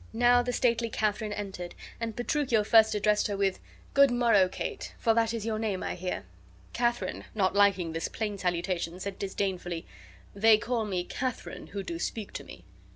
Now the stately Katharine entered, and Petruchio first addressed her with: "Good morrow, Kate, for that is your name, I hear." Katharine, not liking this plain salutation, said, disdainfully, "They call me Katharine who do speak to me."